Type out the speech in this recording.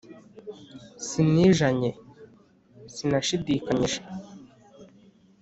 sinijanye: sinashidikanyije